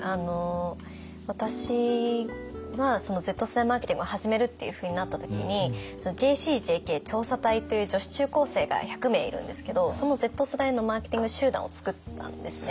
私はＺ世代マーケティングを始めるっていうふうになった時にＪＣＪＫ調査隊という女子中高生が１００名いるんですけどそのＺ世代のマーケティング集団を作ったんですね。